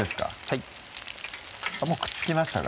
はいもうくっつきましたか？